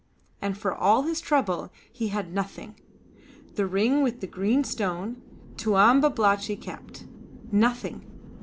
And for all his trouble he had nothing. The ring with the green stone Tuan Babalatchi kept. "Nothing!